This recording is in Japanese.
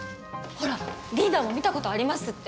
ほらリーダーも見たことありますって。